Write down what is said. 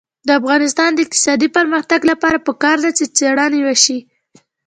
د افغانستان د اقتصادي پرمختګ لپاره پکار ده چې څېړنې وشي.